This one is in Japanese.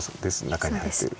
中に入ってる。